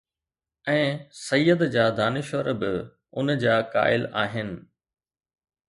۽ سيد جا دانشور به ان جا قائل آهن.